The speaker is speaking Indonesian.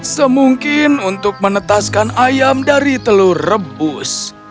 semungkin untuk menetaskan ayam dari telur rebus